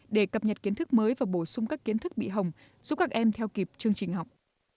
để cập nhật kiến thức mới và bổ sung các kiến thức bị hồng giúp các em theo kịp chương trình học